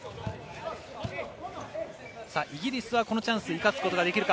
イギリスはこのチャンス生かすことができるか？